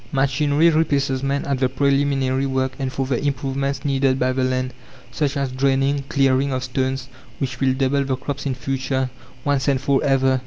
Machinery replaces man at the preliminary work and for the improvements needed by the land such as draining, clearing of stones which will double the crops in future, once and for ever.